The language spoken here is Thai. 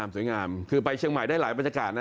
สวยงามคือไปเชียงใหม่ได้หลายบรรยากาศนะ